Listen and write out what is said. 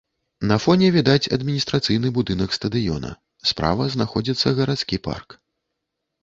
На фоне відаць адміністрацыйны будынак стадыёна, справа знаходзіцца гарадскі парк.